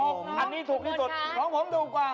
อันนี้ถูกที่สุดของผมถูกกว่า